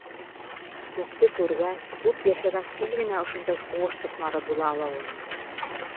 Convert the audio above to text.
Күпте күргән, күп йәшәгән фил генә ошондай һуғыш суҡмары була алалыр.